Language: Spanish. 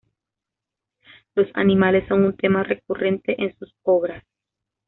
Los animales son un tema recurrente en sus obras.